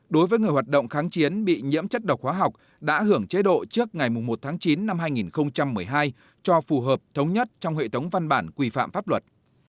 đối với người hoạt động kháng chiến bị nhiễm chất độc hóa học đã hưởng chế độ trước ngày một tháng chín năm hai nghìn một mươi hai cho phù hợp thống nhất trong hệ thống văn bản quy phạm pháp luật